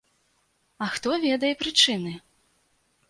А хто ведае прычыны?